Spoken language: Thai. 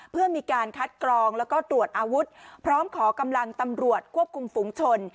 เพื่อมีการคัดกรองแล้วก็ตรวจอาวุธพร้อมขอกำลังตำรวจควบคุมฝุงชน